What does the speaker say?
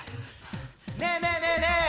・ねえねえねえねえ！